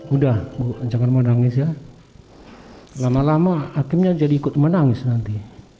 udah bu jangan menangis ya lama lama hakimnya jadi ikut menangis nanti